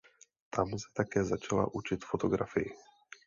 Tam se také začala učit fotografii.